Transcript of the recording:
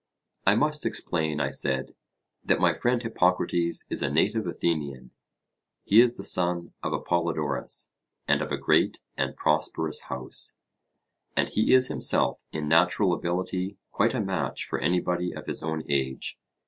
I must explain, I said, that my friend Hippocrates is a native Athenian; he is the son of Apollodorus, and of a great and prosperous house, and he is himself in natural ability quite a match for anybody of his own age.